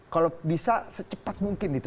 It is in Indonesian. kalau bisa secepat mungkin itu